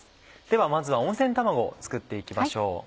ではまずは温泉卵を作って行きましょう。